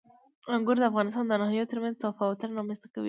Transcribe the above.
انګور د افغانستان د ناحیو ترمنځ تفاوتونه رامنځ ته کوي.